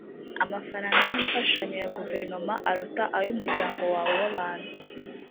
amafaranga y’imfashanyo ya guverinoma aruta ay’umuryango wawe w’abantu